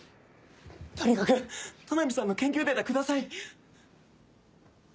とにかく都波さんの研究データください！